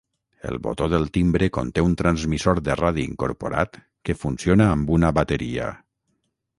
El botó del timbre conté un transmissor de radi incorporat que funciona amb una bateria.